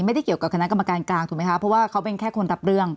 ไม่ได้เกี่ยวกับคณะกรรมการกลางถูกไหมคะเพราะว่าเขาเป็นแค่คนรับเรื่อง